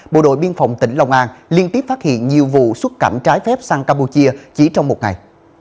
bộ đội biên phòng tỉnh long an liên tiếp phát hiện nhiều vụ xuất cảnh trái phép sang campuchia chỉ trong một ngày